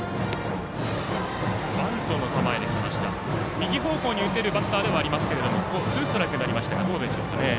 右方向に打てるバッターではありますがツーストライクになりましたがどうでしょう。